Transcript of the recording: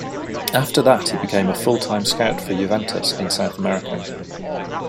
After that he became a full-time scout for Juventus in South America.